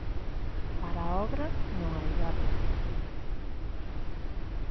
Para a obra non hai data.